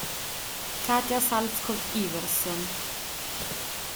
Katja Salskov-Iversen